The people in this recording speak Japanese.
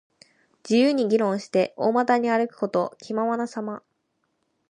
自由に議論して、大股に歩くこと。気ままなさま。